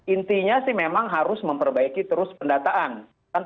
intinya sih memang harus memperbaiki terus pendataan